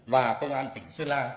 và công an tỉnh sơn la